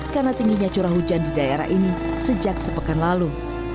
karena tingginya curah hujan di daerah ini sejak sepekan lalu